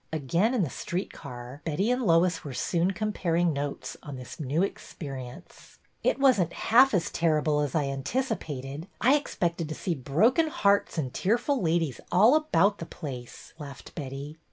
Again in the street car, Betty and Lois were soon comparing notes on this new experience. It was n't half so terrible as I anticipated. I expected to see broken hearts and tearful ladies all about 'the place," laughed Betty.